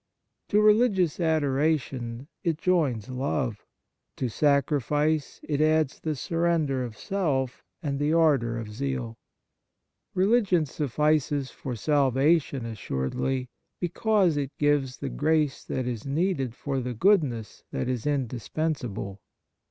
To religious adoration it joins love ; to sacrifice it adds the surrender of self and the ardour of zeal. Religion suffices for salvation as suredly, because it gives the grace that is needed for the goodness that is indispensable.